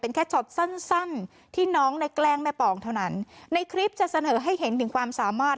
แค่ช็อตสั้นสั้นที่น้องในแกล้งแม่ปองเท่านั้นในคลิปจะเสนอให้เห็นถึงความสามารถ